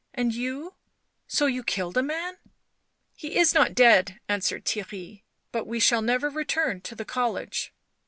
And you — so you killed a man ?"" He is not dead," answered Theirry. " But we shall never return to the college."